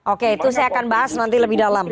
oke itu saya akan bahas nanti lebih dalam